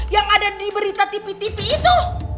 yang ada di berita tipi tipi itu